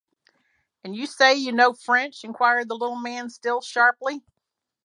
“And you say you know French?” inquired the little man, still sharply.